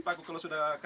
paku berkarat dia sebut